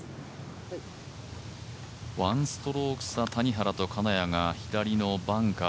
１ストローク差の谷原と金谷が左のバンカー。